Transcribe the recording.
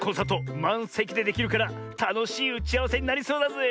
まんせきでできるからたのしいうちあわせになりそうだぜえ。